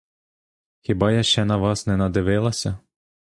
Хіба я ще на вас не надивилася?